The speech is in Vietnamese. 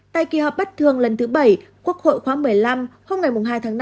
tại kỳ họp bắt thường lần thứ bảy quốc hội khoáng một mươi năm hôm hai tháng năm